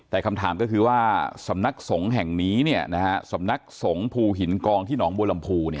แต่คำถามก็คือว่าสำนักสงฆ์แห่งนี้สำนักสงฆ์ภูหินกองที่หนองบัวลำพู